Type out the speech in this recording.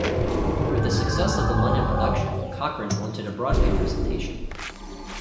With the success of the London production, Cochran wanted a Broadway presentation.